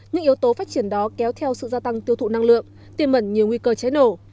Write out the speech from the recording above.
những yếu tố phát triển đó kéo theo sự gia tăng tiêu thụ năng lượng tiềm mẩn nhiều nguy cơ cháy nổ